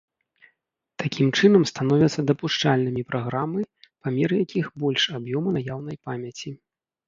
Такім чынам становяцца дапушчальнымі праграмы, памер якіх больш аб'ёма наяўнай памяці.